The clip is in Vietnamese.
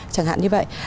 chẳng hạn như vậy